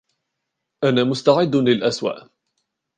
أنا مستعد للأسوء